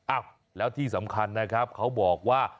อ้าวแล้วที่สำคัญนะครับเขาบอกว่า